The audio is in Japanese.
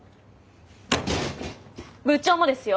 部長もですよ？